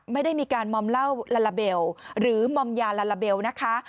ไม่ได้มีการมอมเหล้าลาลาเบลหรือมอมยาลาลาเบลนะคะ